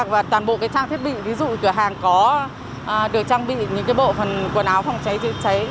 và toàn bộ trang thiết bị ví dụ cửa hàng có được trang bị những bộ phần quần áo phòng cháy chữa cháy